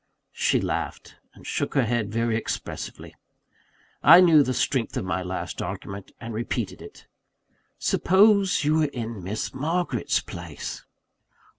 She laughed, and shook her head very expressively. I knew the strength of my last argument, and repeated it: "Suppose you were in Miss Margaret's place?"